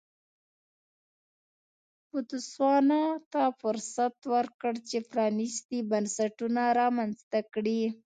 بوتسوانا ته فرصت ورکړ چې پرانیستي بنسټونه رامنځته کړي.